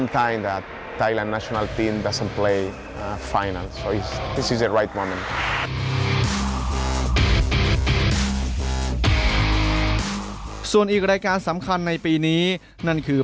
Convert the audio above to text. หรือนำนักเตะที่ดีที่สุด